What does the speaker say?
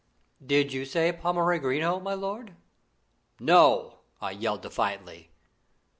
"Did you say Pommery Green oh! my lord?" "No!" I yelled defiantly.